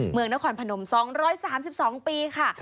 เมืองนครพนม๒๓๒ปีค่ะ